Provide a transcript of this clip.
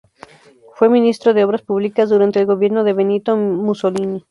Fue Ministro de Obras Públicas durante el gobierno de Benito Mussolini.